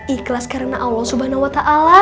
ikhlas karena allah swt